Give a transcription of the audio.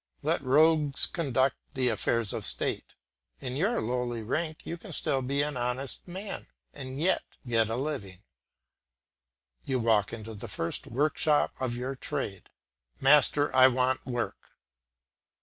Let rogues conduct the affairs of state; in your lowly rank you can still be an honest man and yet get a living. You walk into the first workshop of your trade. "Master, I want work."